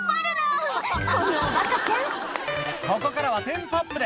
だから、ここからはテンポアップで。